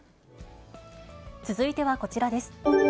続いてはこちらです。